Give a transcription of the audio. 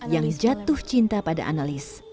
yang jatuh cinta pada analis